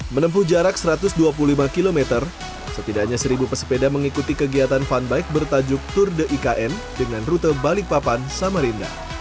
menempuh jarak satu ratus dua puluh lima km setidaknya seribu pesepeda mengikuti kegiatan fun bike bertajuk tour de ikn dengan rute balikpapan samarinda